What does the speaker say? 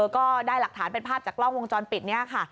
ก็ได้หลักฐานเป็นภาพจากกล้องวงจรปิดนี้ค่ะ